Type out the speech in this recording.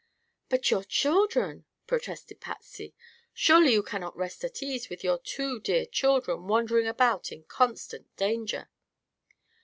"But your children!" protested Patsy. "Surely you cannot rest at ease with your two dear children wandering about, in constant danger."